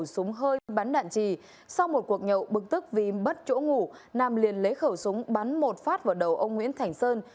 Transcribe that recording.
sau một cuộc nhậu bức tức vì bất chỗ ngủ nam liền lấy khẩu súng bắn một phát vào đầu ông nguyễn thành sơn